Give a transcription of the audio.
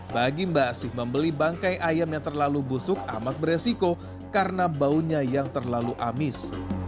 bagi mbak asih membeli bangkai ayam yang terlalu busuk amat beresiko karena baunya yang terlalu amis